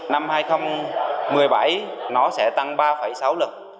năm hai nghìn một mươi bảy nó sẽ tăng ba sáu lần